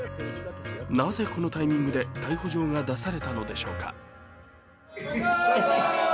なぜ、このタイミングで逮捕状が出されたのでしょうか。